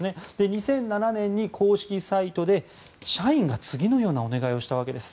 ２００７年に公式サイトで社員が次のようなお願いをしたわけです。